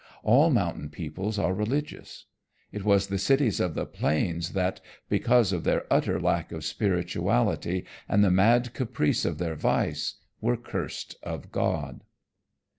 All mountain peoples are religious. It was the cities of the plains that, because of their utter lack of spirituality and the mad caprice of their vice, were cursed of God.